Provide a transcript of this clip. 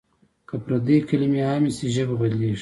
که پردۍ کلمې عامې شي ژبه بدلېږي.